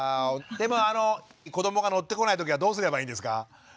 でも子どもが乗ってこない時はどうすればいいんですか？